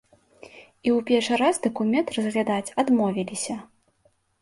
І ў першы раз дакумент разглядаць адмовіліся.